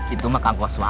itu mah kang koswara